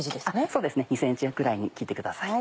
そうですね２ｃｍぐらいに切ってください。